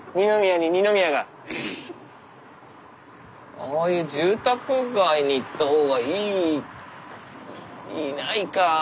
ああいう住宅街に行った方がいいいないかあ。